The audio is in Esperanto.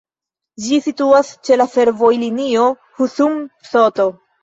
Ĝi situas ĉe la fervojlinio Husum-St.